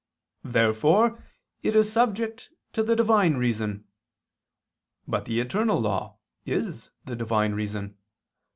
Therefore it is subject to (the Divine) reason. But the eternal law is the Divine reason.